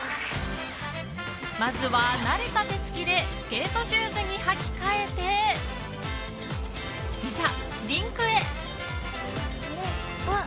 まずは慣れた手付きでスケートシューズに履き替えていざ、リンクへ。